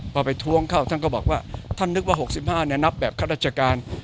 พอไปท้วงเข้าท่านก็บอกว่าท่านนึกว่า๖๕นับแบบข้าราชการ